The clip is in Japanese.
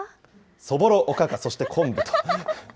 そぼろ、おかか、そしてこんぶと。